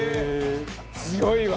強いわ。